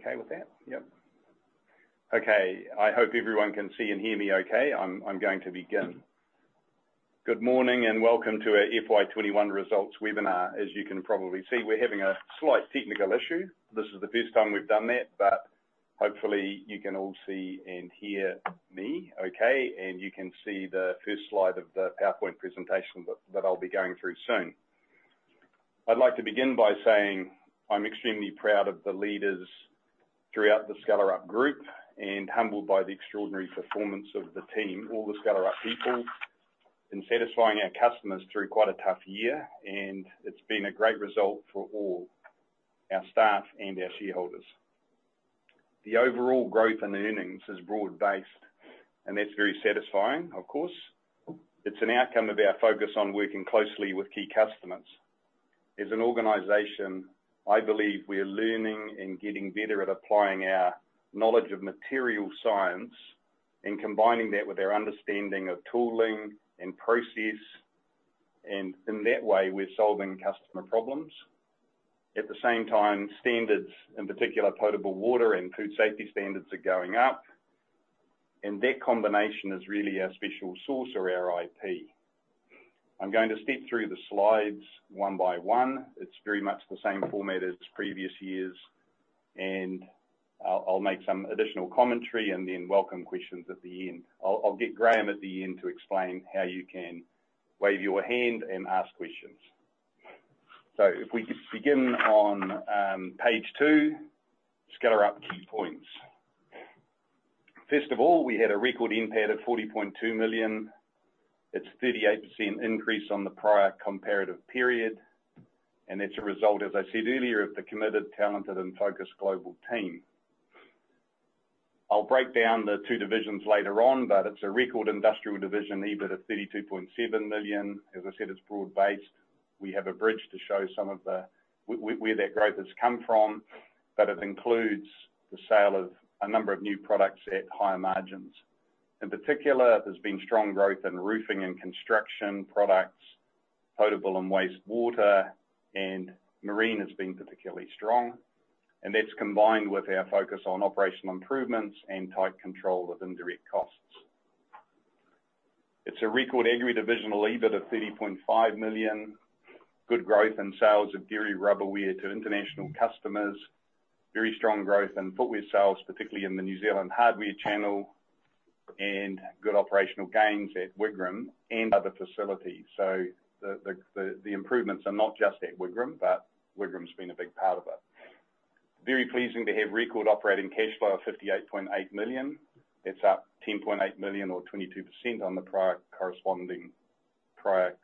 Okay with that? Yep. Okay. I hope everyone can see and hear me okay. I'm going to begin. Good morning, welcome to our FY 2021 results webinar. As you can probably see, we're having a slight technical issue. This is the first time we've done that, hopefully, you can all see and hear me okay, you can see the first slide of the PowerPoint presentation that I'll be going through soon. I'd like to begin by saying I'm extremely proud of the leaders throughout the Skellerup Group, humbled by the extraordinary performance of the team, all the Skellerup people, in satisfying our customers through quite a tough year, it's been a great result for all our staff and our shareholders. The overall growth in earnings is broad-based, that's very satisfying, of course. It's an outcome of our focus on working closely with key customers. As an organization, I believe we are learning and getting better at applying our knowledge of material science, and combining that with our understanding of tooling and process. In that way, we're solving customer problems. At the same time, standards, in particular potable water and food safety standards, are going up, and that combination is really our special sauce or our IP. I'm going to step through the slides one by one. It's very much the same format as previous years, and I'll make some additional commentary and then welcome questions at the end. I'll get Graham at the end to explain how you can wave your hand and ask questions. If we could begin on page two, Skellerup key points. First of all, we had a record NPAT at 40.2 million. It's 38% increase on the prior comparative period. It's a result, as I said earlier, of the committed, talented, and focused global team. I'll break down the two divisions later on, but it's a record Industrial Division EBIT of 32.7 million. As I said, it's broad based. We have a bridge to show where that growth has come from, but it includes the sale of a number of new products at higher margins. In particular, there's been strong growth in roofing and construction products, potable and wastewater, and marine has been particularly strong. That's combined with our focus on operational improvements and tight control of indirect costs. It's a record Agri Division EBIT of 30.5 million. Good growth in sales of dairy rubberware to international customers. Very strong growth in footwear sales, particularly in the New Zealand hardware channel, and good operational gains at Wigram and other facilities. The improvements are not just at Wigram, but Wigram's been a big part of it. Very pleasing to have record operating cash flow of 58.8 million. It's up 10.8 million or 22% on the prior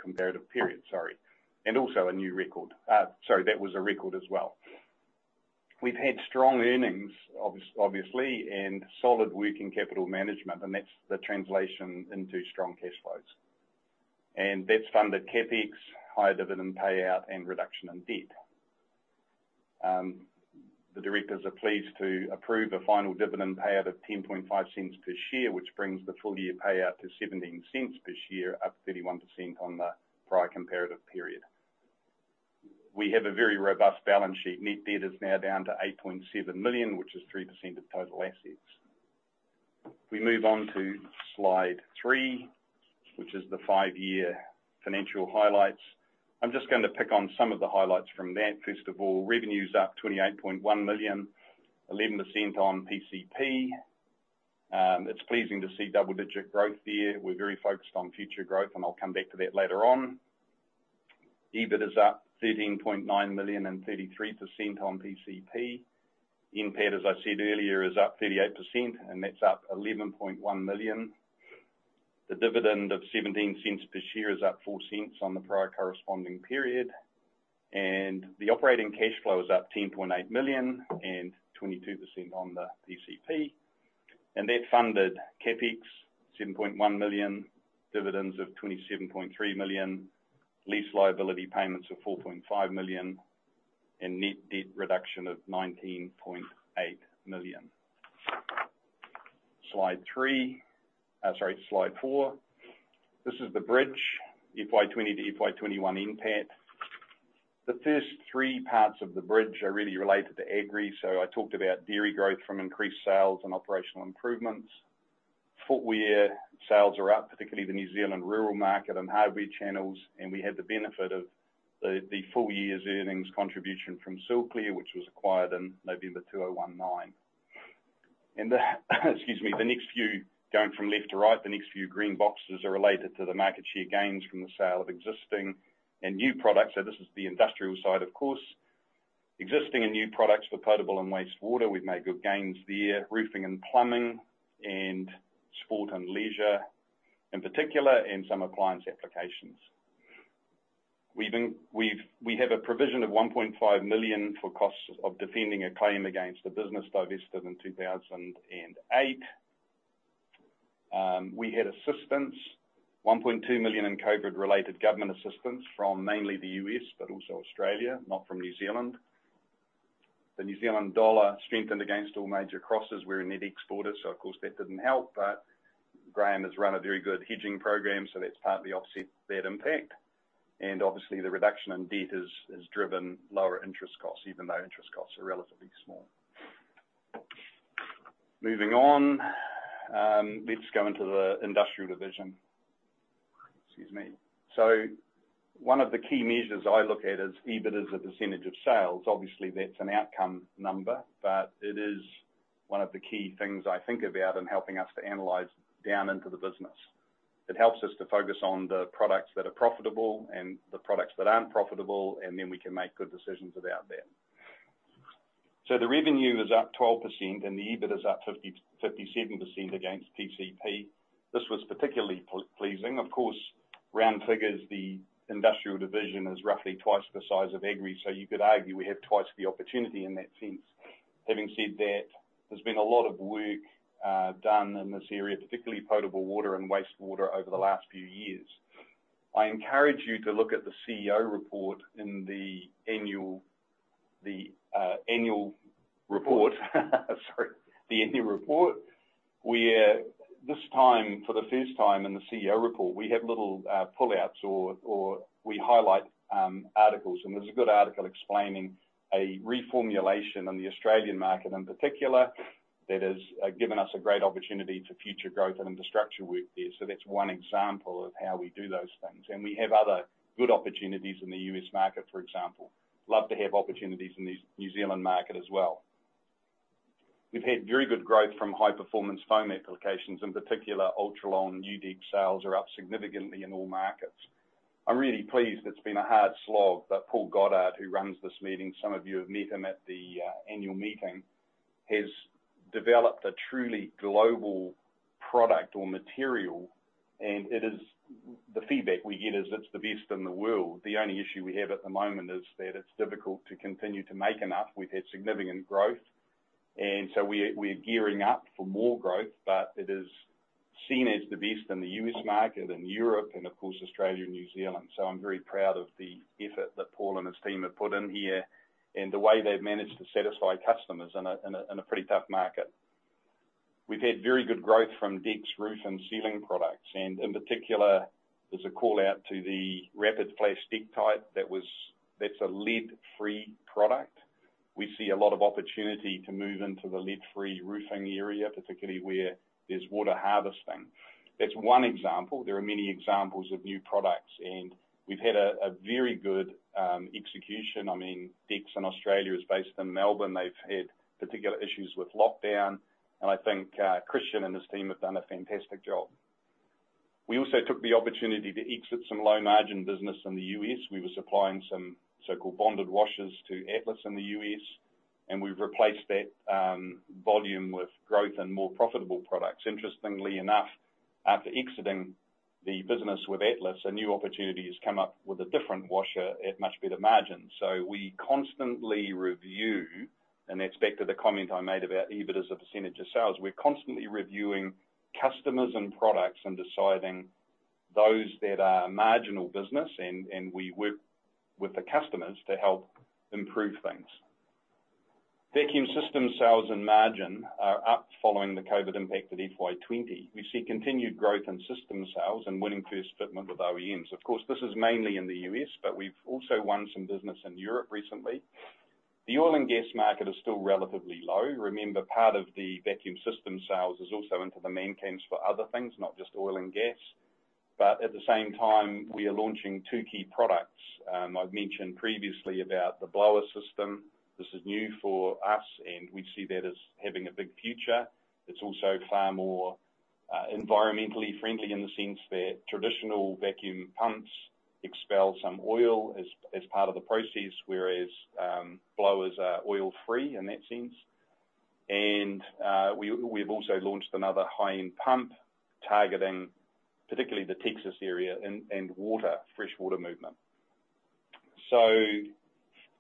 comparative period. Also a new record. Sorry, that was a record as well. We've had strong earnings, obviously, and solid working capital management, and that's the translation into strong cash flows. That's funded CapEx, higher dividend payout, and reduction in debt. The directors are pleased to approve a final dividend payout of 0.105 per share, which brings the full year payout to 0.17 per share, up 31% on the prior comparative period. We have a very robust balance sheet. Net debt is now down to 8.7 million, which is 3% of total assets. We move on to slide three, which is the five-year financial highlights. I'm just going to pick on some of the highlights from that. First of all, revenue's up 28.1 million, 11% on PCP. It's pleasing to see double-digit growth there. We're very focused on future growth, and I'll come back to that later on. EBIT is up 13.9 million and 33% on PCP. NPAT, as I said earlier, is up 38%, and that's up 11.1 million. The dividend of 0.17 per share is up 0.04 on the prior corresponding period. The operating cash flow is up 10.8 million and 22% on the PCP. That funded CapEx, 7.1 million, dividends of 27.3 million, lease liability payments of 4.5 million, and net debt reduction of 19.8 million. Slide three, sorry, slide four. This is the bridge, FY 2020 to FY 2021 NPAT. The first three parts of the bridge are really related to Agri. I talked about dairy growth from increased sales and operational improvements. Footwear sales are up, particularly the New Zealand rural market and hardware channels, and we had the benefit of the full year's earnings contribution from Silclear, which was acquired in November 2019. Excuse me. Going from left to right, the next few green boxes are related to the market share gains from the sale of existing and new products. This is the industrial side, of course. Existing and new products for potable and wastewater, we've made good gains there. Roofing and plumbing and sport and leisure, in particular, and some appliance applications. We have a provision of 1.5 million for costs of defending a claim against a business divested in 2008. We had assistance, 1.2 million in COVID-related government assistance from mainly the U.S., but also Australia, not from New Zealand. The New Zealand dollar strengthened against all major crosses. We're a net exporter, so of course, that didn't help, but Graham has run a very good hedging program, so that's partly offset that impact. Obviously the reduction in debt has driven lower interest costs, even though interest costs are relatively small. Moving on. Let's go into the Industrial Division. Excuse me. One of the key measures I look at is EBIT as a percentage of sales. Obviously, that's an outcome number, but it is one of the key things I think about in helping us to analyze down into the business. It helps us to focus on the products that are profitable and the products that aren't profitable, we can make good decisions about that. The revenue is up 12% and the EBIT is up 57% against PCP. This was particularly pleasing. Of course, round figures, the Industrial Division is roughly twice the size of Agri. You could argue we have twice the opportunity in that sense. Having said that, there's been a lot of work done in this area, particularly potable water and wastewater over the last few years. I encourage you to look at the CEO report in the annual report where this time, for the first time in the CEO report, we have little pull-outs or we highlight articles, and there's a good article explaining a reformulation on the Australian market in particular that has given us a great opportunity for future growth and infrastructure work there. That's one example of how we do those things. We have other good opportunities in the U.S. market, for example. Love to have opportunities in the New Zealand market as well. We've had very good growth from high-performance foam applications, in particular, Ultralon U-DEK sales are up significantly in all markets. I'm really pleased. It's been a hard slog, but Paul Goddard, who runs this meeting, some of you have met him at the annual meeting, has developed a truly global product or material, and the feedback we get is it's the best in the world. The only issue we have at the moment is that it's difficult to continue to make enough. We've had significant growth, we're gearing up for more growth, it is seen as the best in the U.S. market, in Europe, and of course, Australia and New Zealand. I'm very proud of the effort that Paul and his team have put in here and the way they've managed to satisfy customers in a pretty tough market. We've had very good growth from Deks roof and ceiling products. In particular, there's a call-out to the Rapid Flash Dektite. That's a lead-free product. We see a lot of opportunity to move into the lead-free roofing area, particularly where there's water harvesting. That's one example. There are many examples of new products. We've had a very good execution. Deks in Australia is based in Melbourne. They've had particular issues with lockdown. I think Christian and his team have done a fantastic job. We also took the opportunity to exit some low-margin business in the U.S. We were supplying some so-called bonded washers to Atlas in the U.S. We've replaced that volume with growth and more profitable products. Interestingly enough, after exiting the business with Atlas, a new opportunity has come up with a different washer at much better margins. We constantly review, and that's back to the comment I made about EBIT as a percentage of sales. We're constantly reviewing customers and products and deciding those that are marginal business, and we work with the customers to help improve things. Vacuum system sales and margin are up following the COVID impact of FY 2020. We see continued growth in system sales and winning first fitment with OEMs. Of course, this is mainly in the U.S., but we've also won some business in Europe recently. The oil and gas market is still relatively low. Remember, part of the vacuum system sales is also into the man camps for other things, not just oil and gas. At the same time, we are launching two key products. I've mentioned previously about the blower system. This is new for us, and we see that as having a big future. It's also far more environmentally friendly in the sense that traditional vacuum pumps expel some oil as part of the process, whereas blowers are oil-free in that sense. We've also launched another high-end pump targeting particularly the Texas area and fresh water movement.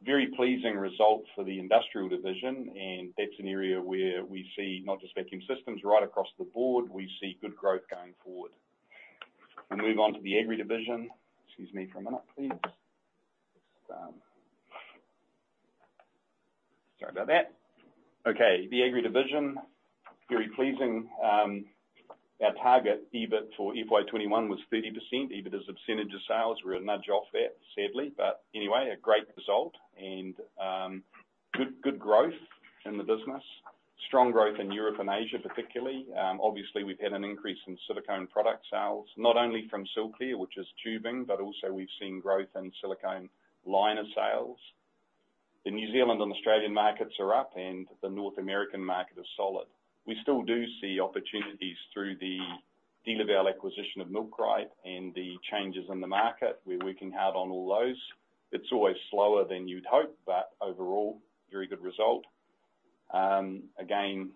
Very pleasing result for the Industrial Division, and that's an area where we see not just vacuum systems. Right across the board, we see good growth going forward. We move on to the Agri Division. Excuse me for a minute, please. Sorry about that. Okay, the Agri Division, very pleasing. Our target EBIT for FY 2021 was 30%, EBIT as a percentage of sales. We're a nudge off that, sadly. Anyway, a great result and good growth in the business. Strong growth in Europe and Asia, particularly. Obviously, we've had an increase in silicone product sales, not only from Silclear, which is tubing, but also we've seen growth in silicone liner sales. The New Zealand and Australian markets are up and the North American market is solid. We still do see opportunities through the DeLaval acquisition of Milkrite and the changes in the market where we can have on all those. Overall, very good result. Again,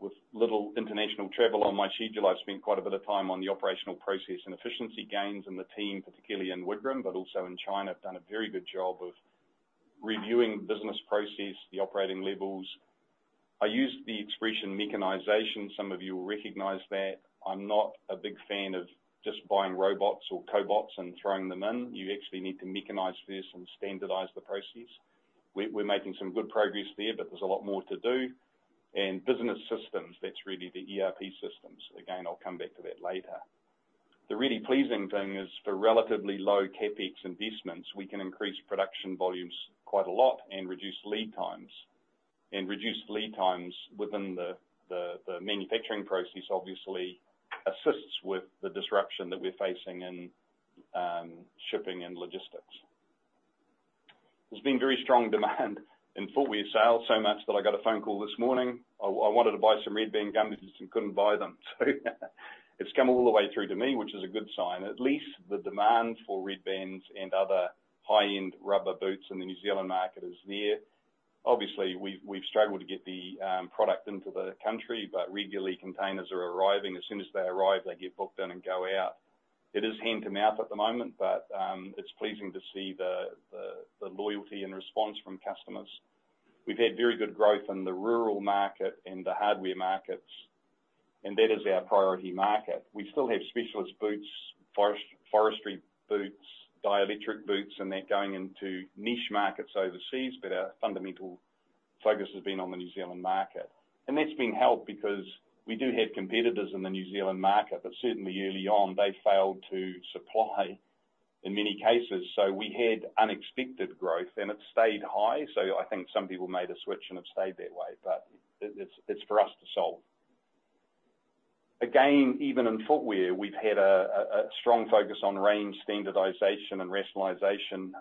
with little international travel on my schedule, I've spent quite a bit of time on the operational process and efficiency gains, the team, particularly in Wigram, but also in China, have done a very good job of reviewing business process, the operating levels. I use the expression mechanization. Some of you will recognize that. I'm not a big fan of just buying robots or cobots and throwing them in. You actually need to mechanize first and standardize the process. We're making some good progress there, but there's a lot more to do. Business systems, that's really the ERP systems. Again, I'll come back to that later. The really pleasing thing is for relatively low CapEx investments, we can increase production volumes quite a lot and reduce lead times. Reduced lead times within the manufacturing process obviously assists with the disruption that we're facing in shipping and logistics. There's been very strong demand in footwear sales, so much that I got a phone call this morning. I wanted to buy some Red Band gumboots and couldn't buy them. It's come all the way through to me, which is a good sign. At least the demand for Red Bands and other high-end rubber boots in the New Zealand market is there. We've struggled to get the product into the country, but regularly containers are arriving. As soon as they arrive, they get booked in and go out. It is hand-to-mouth at the moment, but it's pleasing to see the loyalty and response from customers. We've had very good growth in the rural market and the hardware markets, that is our priority market. We still have specialist boots, forestry boots, dielectric boots, they're going into niche markets overseas. Our fundamental focus has been on the New Zealand market. That's been helped because we do have competitors in the New Zealand market, certainly early on they failed to supply in many cases. We had unexpected growth, it stayed high. I think some people made a switch and have stayed that way. It's for us to solve. Even in footwear, we've had a strong focus on range standardization and rationalization,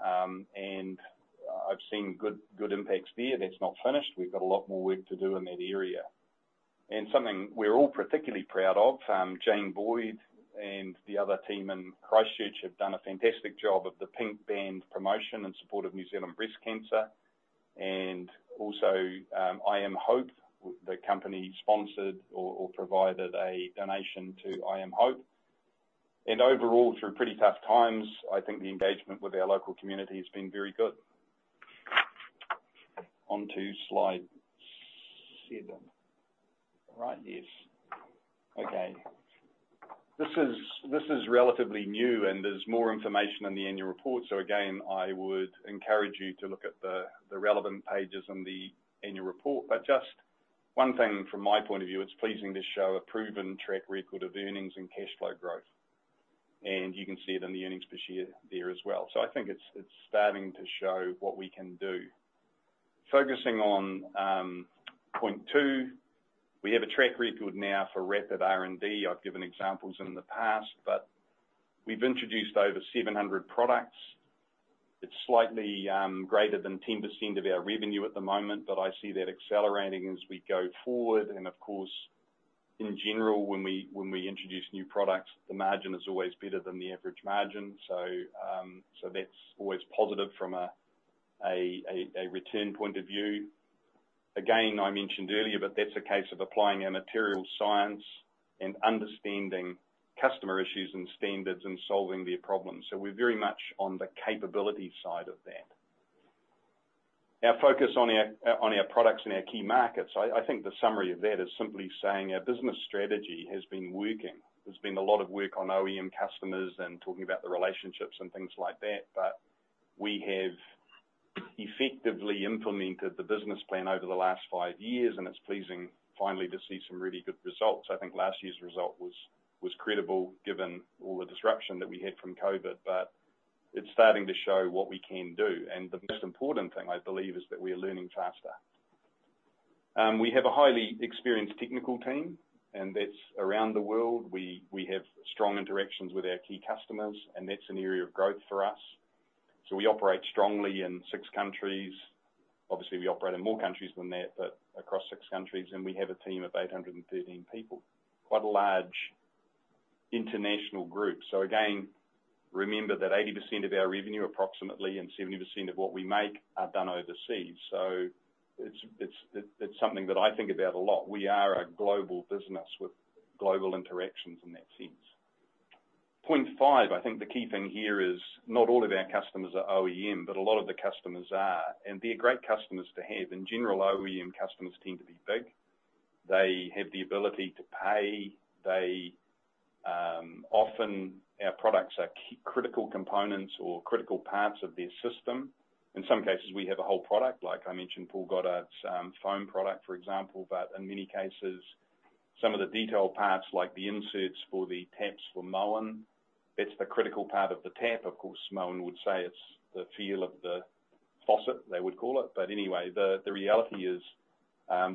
and I've seen good impacts there. That's not finished. We've got a lot more work to do in that area. Something we're all particularly proud of, Jane Boyd and the other team in Christchurch have done a fantastic job of the Pink Band promotion in support of New Zealand Breast Cancer, and also I Am Hope. The company sponsored or provided a donation to I Am Hope. Overall, through pretty tough times, I think the engagement with our local community has been very good. On to slide seven. Right. Yes. Okay. This is relatively new, and there's more information in the annual report. Again, I would encourage you to look at the relevant pages in the annual report. Just one thing from my point of view, it's pleasing to show a proven track record of earnings and cash flow growth. You can see it in the earnings per share there as well. I think it's starting to show what we can do. Focusing on point two, we have a track record now for rapid R&D. I've given examples in the past, but we've introduced over 700 products. It's slightly greater than 10% of our revenue at the moment, but I see that accelerating as we go forward. Of course, in general, when we introduce new products, the margin is always better than the average margin. That's always positive from a return point of view. Again, I mentioned earlier, but that's a case of applying our material science and understanding customer issues and standards and solving their problems. We're very much on the capability side of that. Our focus on our products and our key markets, I think the summary of that is simply saying our business strategy has been working. There's been a lot of work on OEM customers and talking about the relationships and things like that, but we have effectively implemented the business plan over the last five years, and it's pleasing finally to see some really good results. I think last year's result was credible given all the disruption that we had from COVID, but it's starting to show what we can do. The most important thing, I believe, is that we are learning faster. We have a highly experienced technical team, and that's around the world. We have strong interactions with our key customers, and that's an area of growth for us. We operate strongly in six countries. Obviously, we operate in more countries than that, but across six countries. We have a team of 813 people, quite a large international group. Again, remember that 80% of our revenue approximately and 70% of what we make are done overseas. It's something that I think about a lot. We are a global business with global interactions in that sense. Point five, I think the key thing here is not all of our customers are OEM, but a lot of the customers are, and they're great customers to have. In general, OEM customers tend to be big. They have the ability to pay. Often our products are critical components or critical parts of their system. In some cases, we have a whole product. Like I mentioned Paul Goddard's foam product, for example. In many cases, some of the detailed parts, like the inserts for the taps for Moen, that's the critical part of the tap. Of course, Moen would say it's the feel of the faucet, they would call it. Anyway, the reality is,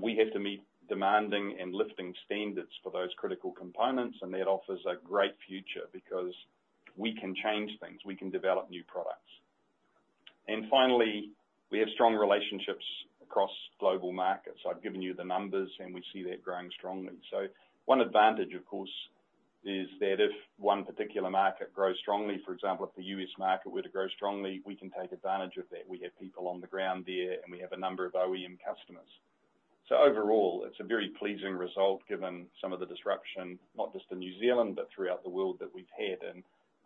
we have to meet demanding and lifting standards for those critical components, and that offers a great future because we can change things. We can develop new products. Finally, we have strong relationships across global markets. I've given you the numbers, and we see that growing strongly. One advantage, of course, is that if 1 particular market grows strongly, for example, if the U.S. market were to grow strongly, we can take advantage of that. We have people on the ground there, and we have a number of OEM customers. Overall, it's a very pleasing result given some of the disruption, not just in New Zealand, but throughout the world that we've had.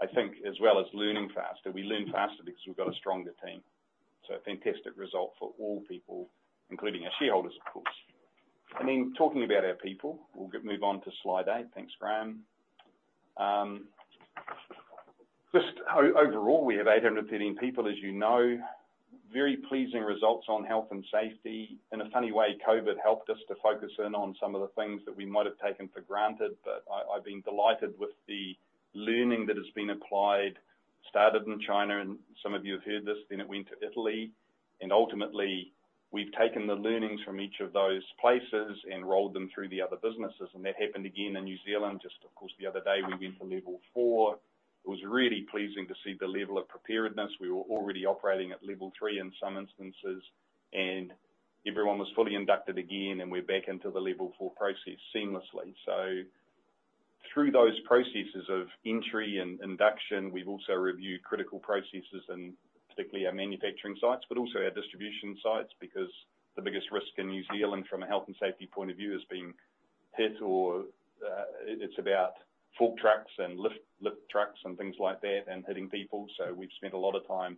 I think as well as learning faster, we learn faster because we've got a stronger team. A fantastic result for all people, including our shareholders, of course. Talking about our people, we'll move on to slide eight. Thanks, Graham. Just overall, we have 813 people as you know. Very pleasing results on health and safety. In a funny way, COVID helped us to focus in on some of the things that we might have taken for granted. I've been delighted with the learning that has been applied, started in China, and some of you have heard this, then it went to Italy. Ultimately, we've taken the learnings from each of those places and rolled them through the other businesses. That happened again in New Zealand, just of course the other day we went to level four. It was really pleasing to see the level of preparedness. We were already operating at level three in some instances, and everyone was fully inducted again, and we're back into the level four process seamlessly. Through those processes of entry and induction, we've also reviewed critical processes in particularly our manufacturing sites, but also our distribution sites. The biggest risk in New Zealand from a health and safety point of view, it's about fork trucks and lift trucks and things like that, and hitting people. We've spent a lot of time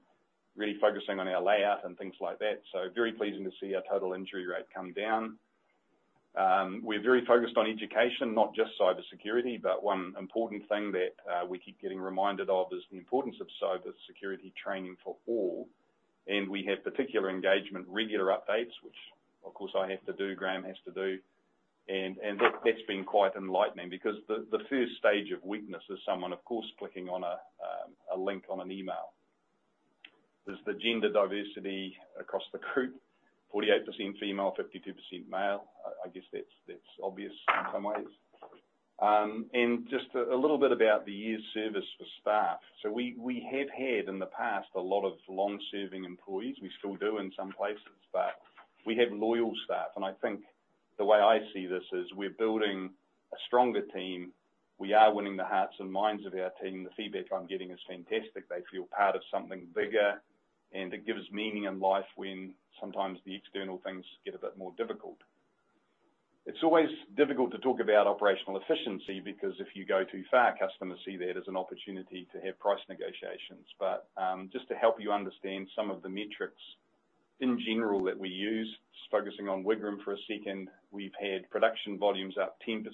really focusing on our layout and things like that. Very pleasing to see our total injury rate come down. We're very focused on education, not just cybersecurity. One important thing that we keep getting reminded of is the importance of cybersecurity training for all. We have particular engagement, regular updates, which of course I have to do, Graham has to do. That's been quite enlightening because the first stage of weakness is someone, of course, clicking on a link on an email. There's the gender diversity across the group, 48% female, 52% male. I guess that's obvious in some ways. Just a little bit about the year's service for staff. We have had in the past a lot of long-serving employees. We still do in some places, but we have loyal staff. I think the way I see this is we're building a stronger team. We are winning the hearts and minds of our team. The feedback I'm getting is fantastic. They feel part of something bigger, and it gives meaning in life when sometimes the external things get a bit more difficult. Just to help you understand some of the metrics in general that we use, just focusing on Wigram for a second. We've had production volumes up 10%,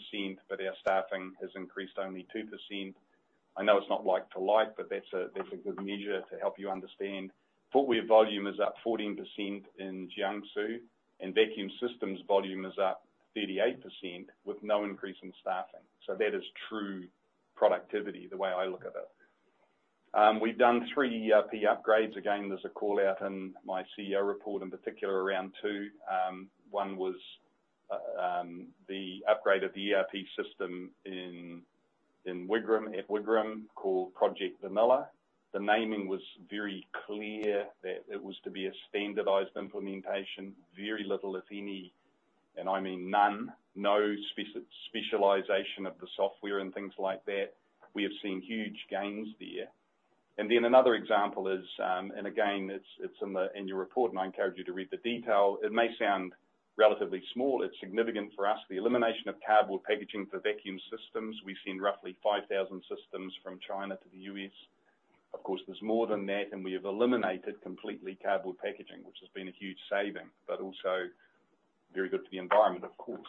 but our staffing has increased only 2%. I know it's not like to like, but that's a good measure to help you understand. Footwear volume is up 14% in Jiangsu, and vacuum systems volume is up 38% with no increase in staffing. That is true productivity, the way I look at it. We've done three ERP upgrades. There's a call-out in my CEO report, in particular around two. One was the upgrade of the ERP system at Wigram, called Project Vanilla. The naming was very clear that it was to be a standardized implementation, very little if any, and I mean none, no specialization of the software and things like that. We have seen huge gains there. Another example is, again, it's in your report and I encourage you to read the detail. It may sound relatively small. It's significant for us, the elimination of cardboard packaging for vacuum systems. We've seen roughly 5,000 systems from China to the U.S. Of course, there's more than that, and we have eliminated completely cardboard packaging, which has been a huge saving, but also very good for the environment, of course.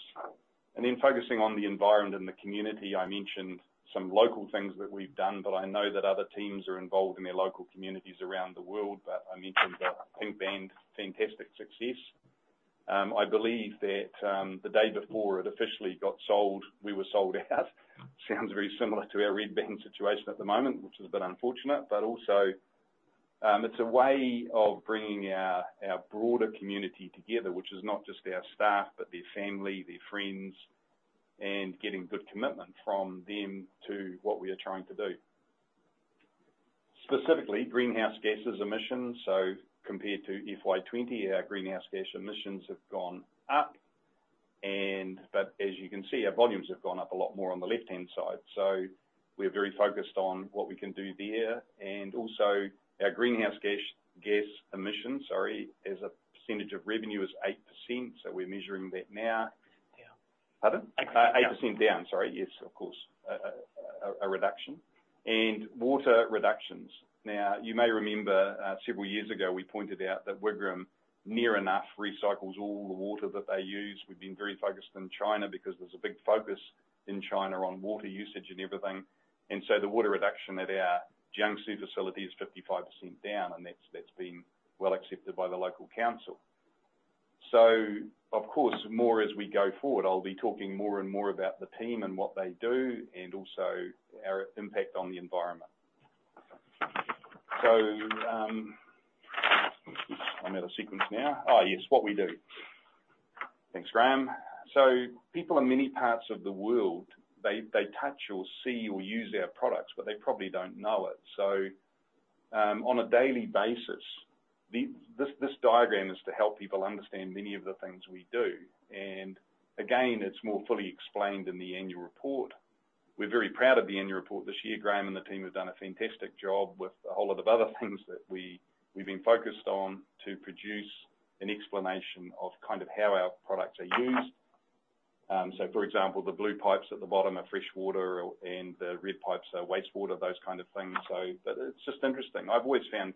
Focusing on the environment and the community, I mentioned some local things that we've done, but I know that other teams are involved in their local communities around the world. I mentioned our Pink Band fantastic success. I believe that the day before it officially got sold, we were sold out. Sounds very similar to our Red Band situation at the moment, which is a bit unfortunate. It's also a way of bringing our broader community together, which is not just our staff, but their family, their friends, and getting good commitment from them to what we are trying to do. Specifically, greenhouse gases emissions. Compared to FY 2020, our greenhouse gas emissions have gone up. As you can see, our volumes have gone up a lot more on the left-hand side. We're very focused on what we can do there. Our greenhouse gas emissions, sorry, as a percentage of revenue is 8%. We're measuring that now. Down. Pardon? 8% down. 8% down. Sorry. Yes, of course. A reduction. Water reductions. Now, you may remember, several years ago, we pointed out that Wigram near enough recycles all the water that they use. We've been very focused in China because there's a big focus in China on water usage and everything. The water reduction at our Jiangsu facility is 55% down, and that's been well accepted by the local council. Of course, more as we go forward, I'll be talking more and more about the team and what they do, and also our impact on the environment. I'm out of sequence now. Yes, what we do. Thanks, Graham. People in many parts of the world, they touch or see or use our products, but they probably don't know it. On a daily basis, this diagram is to help people understand many of the things we do. Again, it's more fully explained in the annual report. We're very proud of the annual report this year. Graham and the team have done a fantastic job with a whole lot of other things that we've been focused on to produce an explanation of kind of how our products are used. For example, the blue pipes at the bottom are freshwater and the red pipes are wastewater, those kind of things. It's just interesting. I've always found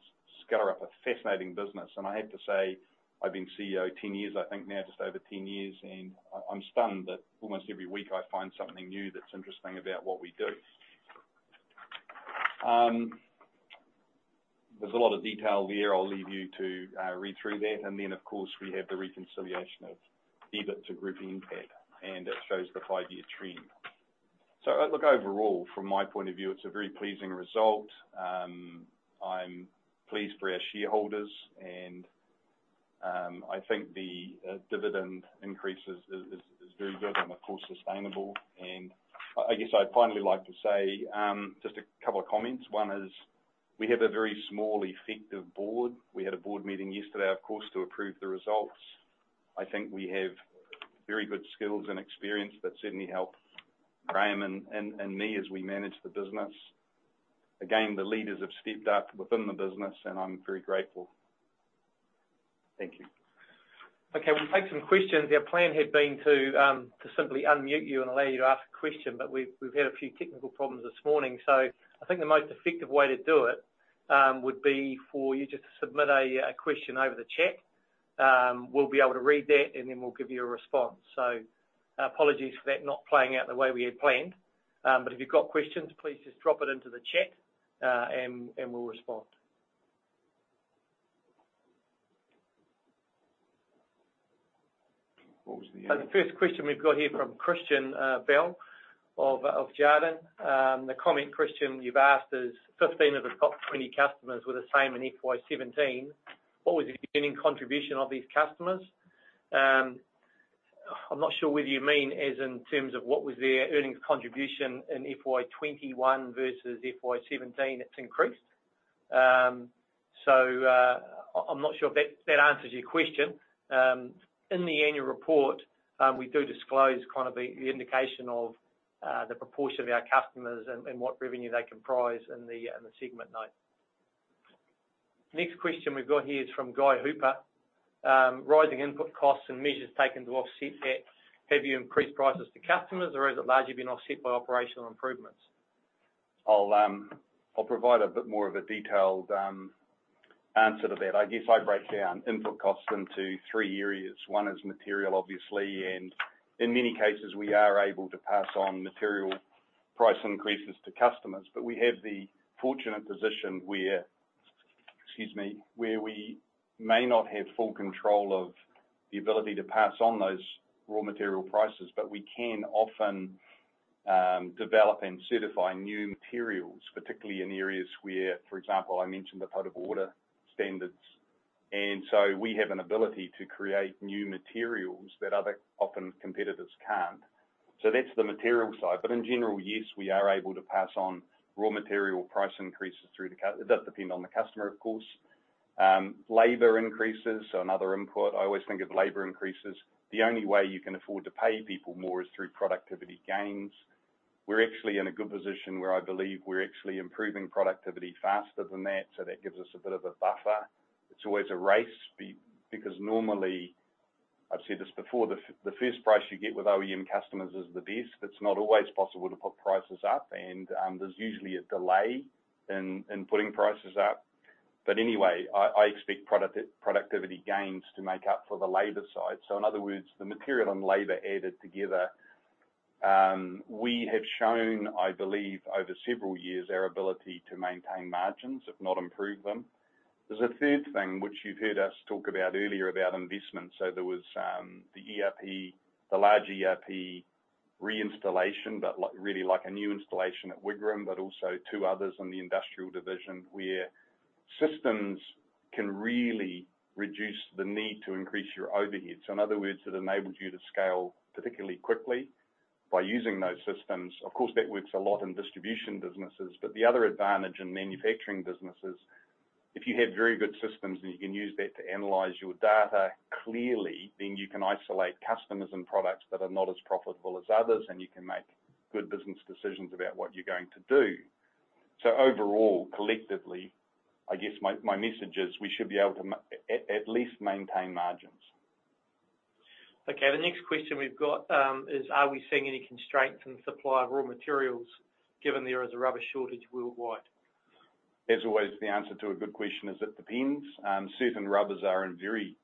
Skellerup a fascinating business. I have to say, I've been CEO 10 years, I think now just over 10 years, and I'm stunned that almost every week I find something new that's interesting about what we do. There's a lot of detail there. I'll leave you to read through that. Then, of course, we have the reconciliation of EBIT to group NPAT, and it shows the five-year trend. Look, overall, from my point of view, it's a very pleasing result. I'm pleased for our shareholders and I think the dividend increase is very good and of course sustainable. I guess I'd finally like to say just a couple of comments. One is we have a very small effective board. We had a board meeting yesterday, of course, to approve the results. I think we have very good skills and experience that certainly help Graham and me as we manage the business. Again, the leaders have stepped up within the business, and I'm very grateful. Thank you. Okay. We'll take some questions. Our plan had been to simply unmute you and allow you to ask a question, but we've had a few technical problems this morning. I think the most effective way to do it would be for you just to submit a question over the chat. We'll be able to read that, and then we'll give you a response. Apologies for that not playing out the way we had planned. If you've got questions, please just drop it into the chat, and we'll respond. What was? The first question we've got here from Christian Bell of Jarden. The comment, Christian, you've asked is, "Fifteen of the top 20 customers were the same in FY 2017. What was the earning contribution of these customers?" I'm not sure whether you mean as in terms of what was their earnings contribution in FY 2021 versus FY 2017. It's increased. I'm not sure if that answers your question. In the annual report, we do disclose the indication of the proportion of our customers and what revenue they comprise in the segment note. Next question we've got here is from Guy Hooper. "Rising input costs and measures taken to offset that. Have you increased prices to customers, or has it largely been offset by operational improvements? I'll provide a bit more of a detailed answer to that. I guess I break down input costs into three areas. One is material, obviously, and in many cases, we are able to pass on material price increases to customers. We have the fortunate position where we may not have full control of the ability to pass on those raw material prices, but we can often develop and certify new materials, particularly in areas where, for example, I mentioned the potable water standards. We have an ability to create new materials that other, often, competitors can't. That's the material side. In general, yes, we are able to pass on raw material price increases through the customer. It does depend on the customer, of course. Labor increases, so another input. I always think of labor increases, the only way you can afford to pay people more is through productivity gains. We're actually in a good position where I believe we're actually improving productivity faster than that, so that gives us a bit of a buffer. It's always a race because normally, I've said this before, the first price you get with OEM customers is the best. It's not always possible to put prices up, and there's usually a delay in putting prices up. Anyway, I expect productivity gains to make up for the labor side. In other words, the material and labor added together. We have shown, I believe, over several years, our ability to maintain margins, if not improve them. There's a third thing which you've heard us talk about earlier about investments. There was the large ERP reinstallation, but really like a new installation at Wigram, but also two others in the Industrial Division, where systems can really reduce the need to increase your overheads. In other words, it enables you to scale particularly quickly by using those systems. Of course, that works a lot in distribution businesses. The other advantage in manufacturing businesses, if you have very good systems and you can use that to analyze your data clearly, then you can isolate customers and products that are not as profitable as others, and you can make good business decisions about what you're going to do. Overall, collectively, I guess my message is we should be able to at least maintain margins. The next question we've got is, are we seeing any constraints in the supply of raw materials given there is a rubber shortage worldwide? As always, the answer to a good question is it depends. Certain rubbers are in very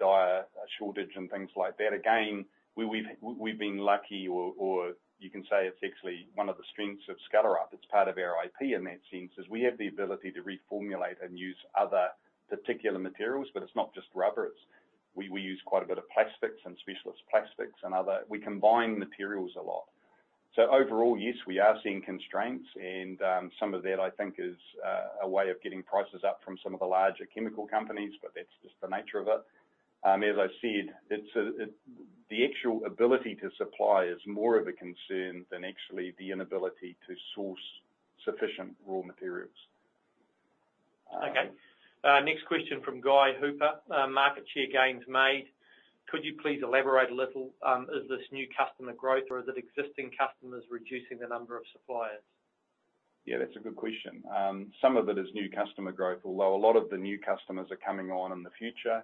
dire shortage and things like that. Again, we've been lucky or you can say it's actually one of the strengths of Skellerup, it's part of our IP in that sense, is we have the ability to reformulate and use other particular materials. It's not just rubber, we use quite a bit of plastics and specialist plastics. We combine materials a lot. Overall, yes, we are seeing constraints and some of that I think is a way of getting prices up from some of the larger chemical companies, but that's just the nature of it. As I said, the actual ability to supply is more of a concern than actually the inability to source sufficient raw materials. Okay. Next question from Guy Hooper. Market share gains made, could you please elaborate a little? Is this new customer growth or is it existing customers reducing the number of suppliers? Yeah, that's a good question. Some of it is new customer growth, although a lot of the new customers are coming on in the future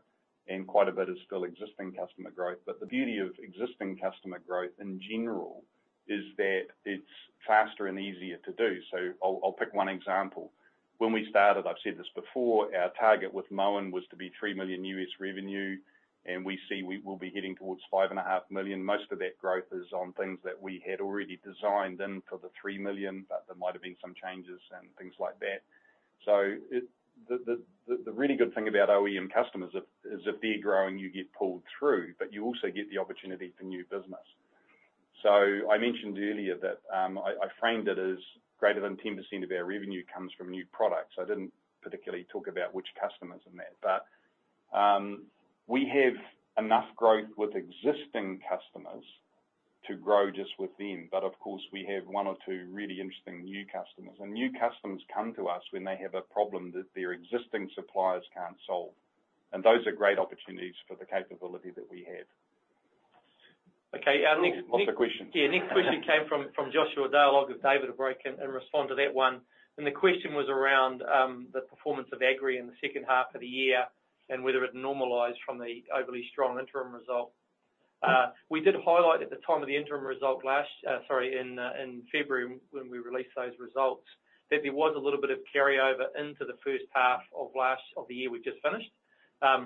and quite a bit is still existing customer growth. The beauty of existing customer growth in general is that it's faster and easier to do. I'll pick one example. When we started, I've said this before, our target with Moen was to be $3 million U.S. revenue, and we see we will be heading towards $5.5 million. Most of that growth is on things that we had already designed in for the $3 million, but there might have been some changes and things like that. The really good thing about OEM customers is if they're growing, you get pulled through, but you also get the opportunity for new business. I mentioned earlier that I framed it as greater than 10% of our revenue comes from new products. I didn't particularly talk about which customers in that. We have enough growth with existing customers to grow just with them. Of course, we have one or two really interesting new customers. New customers come to us when they have a problem that their existing suppliers can't solve, and those are great opportunities for the capability that we have. Okay. What's the question? Yeah, next question came from Joshua Dale. I'll give David a break and respond to that one. The question was around the performance of Agri in the second half of the year and whether it normalized from the overly strong interim result. We did highlight at the time of the interim result last, sorry, in February when we released those results, that there was a little bit of carryover into the first half of the year we've just finished,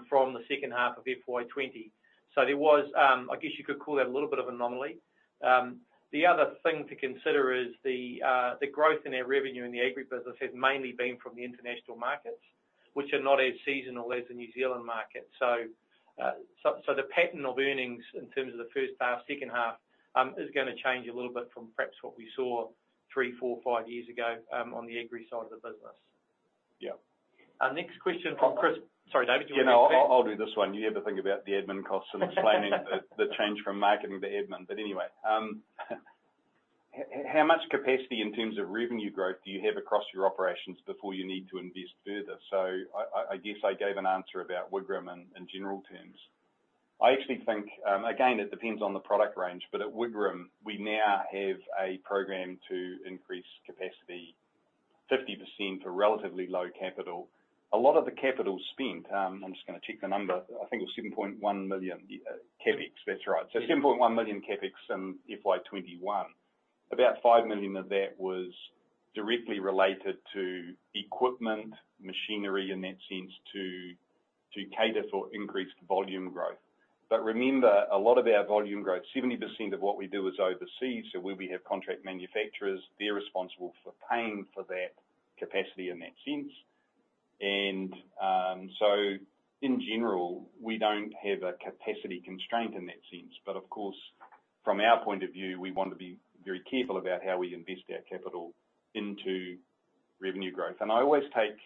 from the second half of FY 2020. There was, I guess you could call that a little bit of anomaly. The other thing to consider is the growth in our revenue in the Agri business has mainly been from the international markets, which are not as seasonal as the New Zealand market. The pattern of earnings in terms of the first half, second half, is going to change a little bit from perhaps what we saw three, four, five years ago, on the Agri side of the business. Yeah. Next question, Sorry, David, you want to take that? Yeah. No, I'll do this one. You had the thing about the admin costs and explaining the change from marketing to admin. How much capacity in terms of revenue growth do you have across your operations before you need to invest further? I guess I gave an answer about Wigram in general terms. I actually think, again, it depends on the product range, but at Wigram, we now have a program to increase capacity 50% for relatively low capital. A lot of the capital spent, I'm just going to check the number, I think it was 7.1 million CapEx. That's right. 7.1 million CapEx in FY 2021. About 5 million of that was directly related to equipment, machinery in that sense, to cater for increased volume growth. Remember, a lot of our volume growth, 70% of what we do is overseas, so where we have contract manufacturers, they're responsible for paying for that capacity in that sense. In general, we don't have a capacity constraint in that sense. Of course, from our point of view, we want to be very careful about how we invest our capital into revenue growth. I always take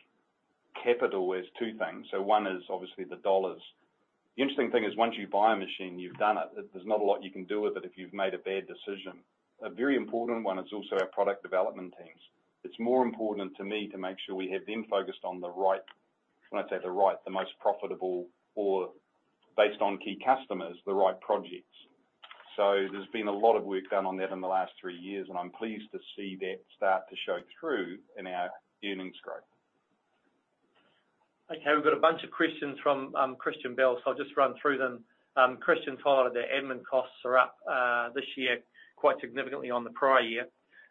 capital as two things. One is obviously the dollars. The interesting thing is, once you buy a machine, you've done it. There's not a lot you can do with it if you've made a bad decision. A very important one is also our product development teams. It's more important to me to make sure we have them focused on the right, when I say the right, the most profitable, or based on key customers, the right projects. There's been a lot of work done on that in the last three years, and I'm pleased to see that start to show through in our earnings growth. We've got a bunch of questions from Christian Bell, so I'll just run through them. Christian followed that admin costs are up this year quite significantly on the prior year,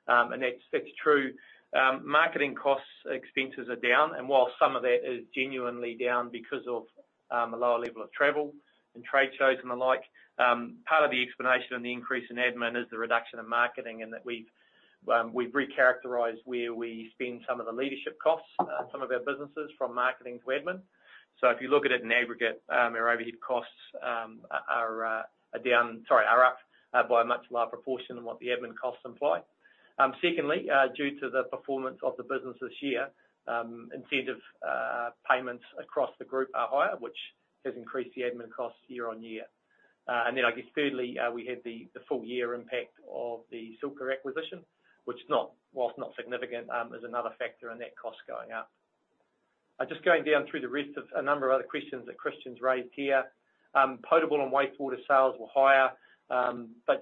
and that's true. Marketing costs expenses are down, and while some of that is genuinely down because of a lower level of travel and trade shows and the like, part of the explanation of the increase in admin is the reduction in marketing and that we've recharacterized where we spend some of the leadership costs, some of our businesses from marketing to admin. If you look at it in aggregate, our overhead costs are up by a much lower proportion than what the admin costs imply. Secondly, due to the performance of the business this year, incentive payments across the group are higher, which has increased the admin costs year-on-year. I guess thirdly, we have the full year impact of the Silclear acquisition, which while not significant, is another factor in that cost going up. Going down through the rest of a number of other questions that Christian's raised here. Potable and wastewater sales were higher,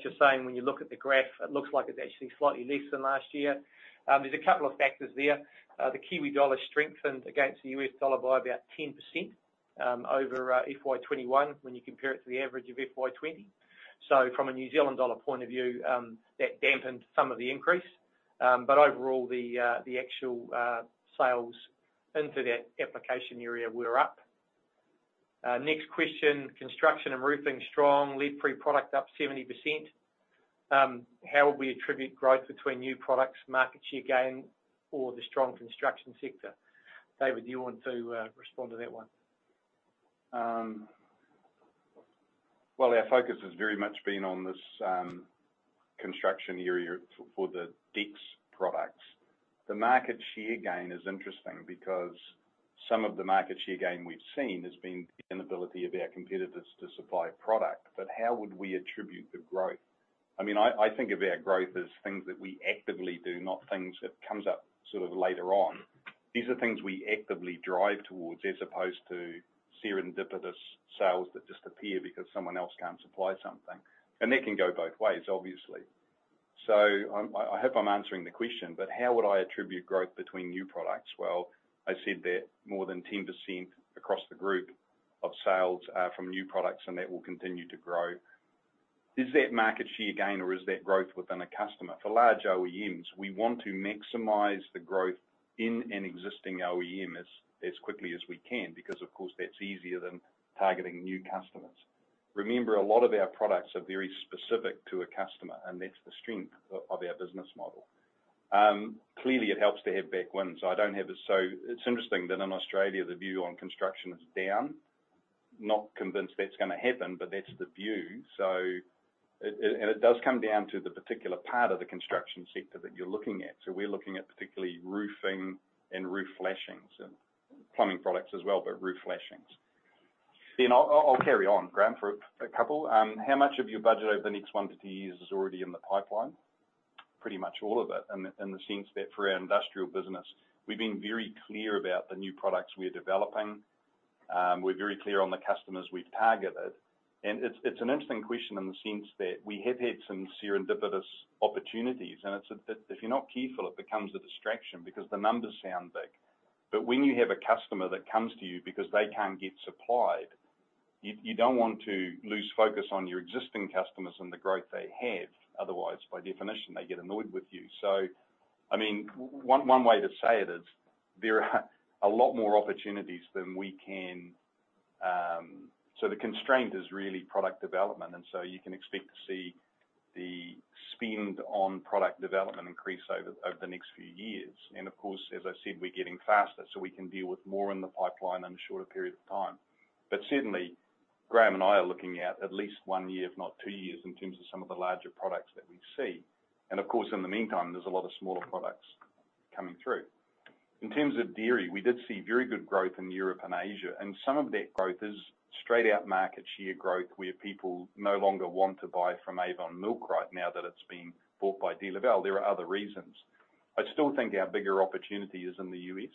just saying, when you look at the graph, it looks like it's actually slightly less than last year. There's a couple of factors there. The Kiwi dollar strengthened against the U.S. dollar by about 10% over FY 2021 when you compare it to the average of FY 2020. From a New Zealand dollar point of view, that dampened some of the increase. Overall, the actual sales into that application area were up. Next question, construction and roofing strong, lead-free product up 70%. How would we attribute growth between new products, market share gain, or the strong construction sector? David, do you want to respond to that one? Our focus has very much been on this construction area for the Deks products. The market share gain is interesting because some of the market share gain we've seen has been the inability of our competitors to supply product. How would we attribute the growth? I think of our growth as things that we actively do, not things that comes up sort of later on. These are things we actively drive towards as opposed to serendipitous sales that just appear because someone else can't supply something, and that can go both ways obviously. I hope I'm answering the question, how would I attribute growth between new products? I said that more than 10% across the group of sales from new products, and that will continue to grow. Is that market share gain or is that growth within a customer? For large OEMs, we want to maximize the growth in an existing OEM as quickly as we can because, of course, that's easier than targeting new customers. Remember, a lot of our products are very specific to a customer, and that's the strength of our business model. Clearly, it helps to have backwinds. It's interesting that in Australia the view on construction is down. Not convinced that's going to happen, but that's the view. It does come down to the particular part of the construction sector that you're looking at. We're looking at particularly roofing and roof flashings, and plumbing products as well, but roof flashings. I'll carry on, Graham, for a couple. How much of your budget over the next one to two years is already in the pipeline? Pretty much all of it in the sense that for our Industrial business, we've been very clear about the new products we're developing. We're very clear on the customers we've targeted. It's an interesting question in the sense that we have had some serendipitous opportunities, and if you're not careful, it becomes a distraction because the numbers sound big. When you have a customer that comes to you because they can't get supplied, you don't want to lose focus on your existing customers and the growth they have. Otherwise, by definition, they get annoyed with you. One way to say it is there are a lot more opportunities than we can, the constraint is really product development, and so you can expect to see the spend on product development increase over the next few years. Of course, as I said, we're getting faster, so we can deal with more in the pipeline in a shorter period of time. Certainly, Graham and I are looking at at least one year, if not two years, in terms of some of the larger products that we see. Of course, in the meantime, there's a lot of smaller products coming through. In terms of dairy, we did see very good growth in Europe and Asia, and some of that growth is straight out market share growth where people no longer want to buy from Avon Milkrite now that it's been bought by DeLaval. There are other reasons. I still think our bigger opportunity is in the U.S.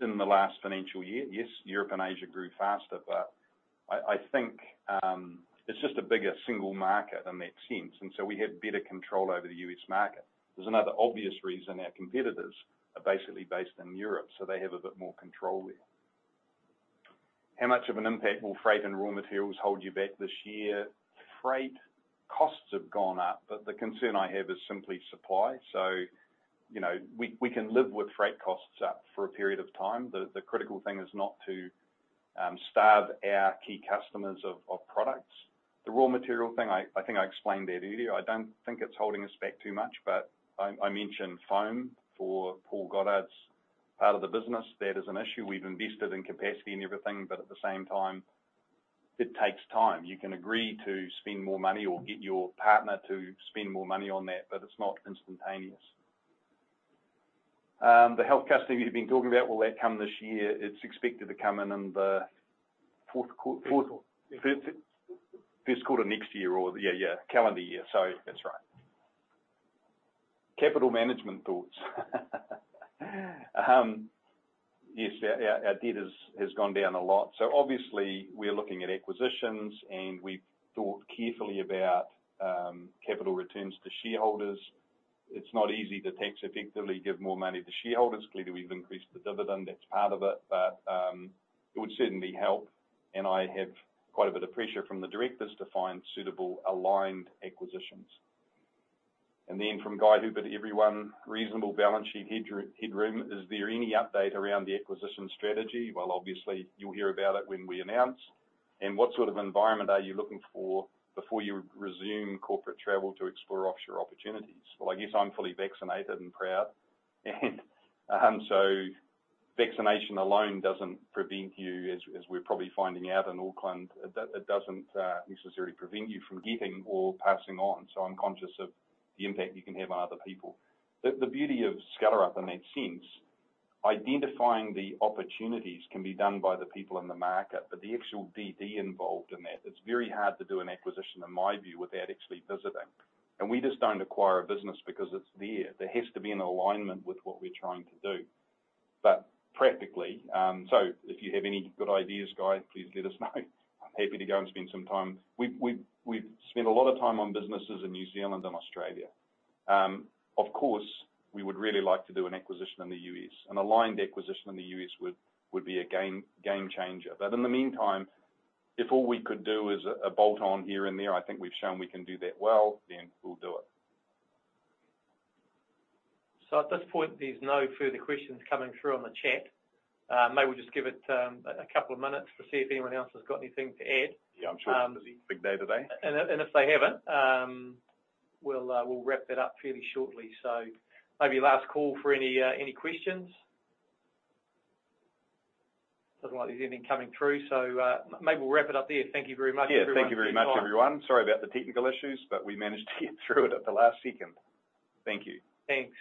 In the last financial year, yes, Europe and Asia grew faster, but I think it's just a bigger single market in that sense. We have better control over the U.S. market. There's another obvious reason. Our competitors are basically based in Europe, so they have a bit more control there. How much of an impact will freight and raw materials hold you back this year? Freight costs have gone up, but the concern I have is simply supply. We can live with freight costs up for a period of time. The critical thing is not to starve our key customers of products. The raw material thing, I think I explained that earlier. I don't think it's holding us back too much, but I mentioned foam for Paul Goddard's part of the business. That is an issue. We've invested in capacity and everything, but at the same time, it takes time. You can agree to spend more money or get your partner to spend more money on that, it's not instantaneous. The health customer you've been talking about, will that come this year? It's expected to come in in the fourth. Fiscal fiscal of next year or, yeah, calendar year. That's right. Capital management thoughts. Yes, our debt has gone down a lot, so obviously we are looking at acquisitions, and we've thought carefully about capital returns to shareholders. It's not easy to tax effectively, give more money to shareholders. Clearly, we've increased the dividend. That's part of it. It would certainly help, and I have quite a bit of pressure from the directors to find suitable aligned acquisitions. Then from Guy, who but everyone, reasonable balance sheet headroom. Is there any update around the acquisition strategy? Well, obviously you'll hear about it when we announce. What sort of environment are you looking for before you resume corporate travel to explore offshore opportunities? I guess I'm fully vaccinated and proud, vaccination alone doesn't prevent you, as we're probably finding out in Auckland, it doesn't necessarily prevent you from getting or passing on. I'm conscious of the impact you can have on other people. The beauty of Skellerup in that sense, identifying the opportunities can be done by the people in the market. The actual DD involved in that, it's very hard to do an acquisition, in my view, without actually visiting. We just don't acquire a business because it's there. There has to be an alignment with what we're trying to do. Practically, so if you have any good ideas, Guy, please let us know. I'm happy to go and spend some time. We've spent a lot of time on businesses in New Zealand and Australia. Of course, we would really like to do an acquisition in the U.S. An aligned acquisition in the U.S. would be a game-changer. In the meantime, if all we could do is a bolt-on here and there, I think we've shown we can do that well, then we'll do it. At this point, there's no further questions coming through on the chat. Maybe we'll just give it a couple of minutes to see if anyone else has got anything to add. Yeah, I'm sure it's a busy big day today. If they haven't, we'll wrap that up fairly shortly. Maybe last call for any questions. Doesn't look like there's anything coming through. Maybe we'll wrap it up there. Thank you very much, everyone, for your time. Thank you very much, everyone. Sorry about the technical issues, but we managed to get through it at the last second. Thank you. Thanks.